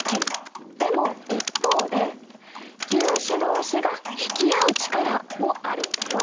でも一方で「粒子どうしが引き合う力」もあるんだよ。